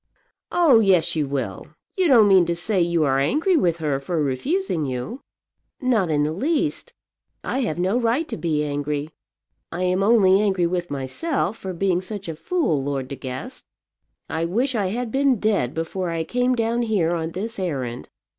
"Oh, yes, you will. You don't mean to say you are angry with her for refusing you." "Not in the least. I have no right to be angry. I am only angry with myself for being such a fool, Lord De Guest. I wish I had been dead before I came down here on this errand.